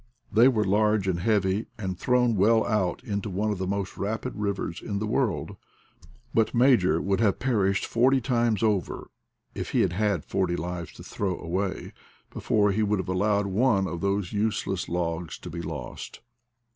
They were large and heavy, and thrown well out into one of the most rapid rivers in the world, but Major would have perished forty times over, if he had had forty lives to throw away, before he would have allowed one of those useless logs to be lost.